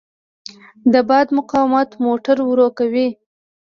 د باد مقاومت موټر ورو کوي.